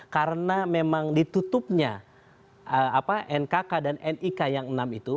karena memang ditutupnya nkk dan nik yang enam itu